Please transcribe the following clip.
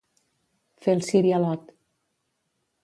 Fer el cirialot.